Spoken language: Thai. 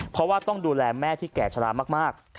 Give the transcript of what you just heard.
เพราะว่าต้องดูแลแม่ที่แก่ชะลามาก